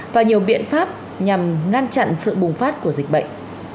và nhiều biện pháp nhằm ngăn chặn sự bùng phát của dịch bệnh